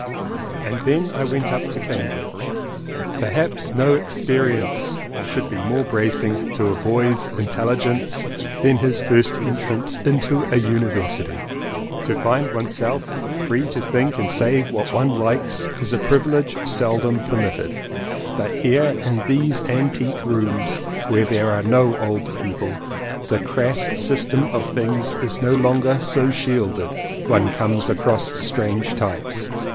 And then I went up to Cambridge. Per haps no experience should be more bracing to a boy's intelligence than his first entrance into a University. To find one's self free to think and say what one likes is a privilege seldom per mitted, but here in these antique rooms where there are no old people, the crass sys tem of things is no longer so shielded. One comes across strange types.